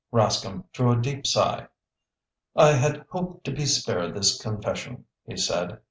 Rascomb drew a deep sigh. "I had hoped to be spared this confession," he said.